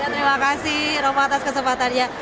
terima kasih romo atas kesempatannya